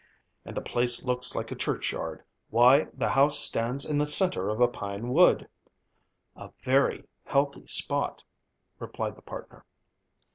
"And the place looks like a churchyard; why, the house stands in the centre of a pine wood." "A very healthy spot," replied the partner.